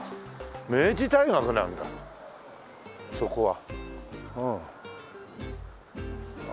明治大学なんだそこは。